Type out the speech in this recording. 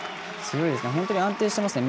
本当に安定してますね。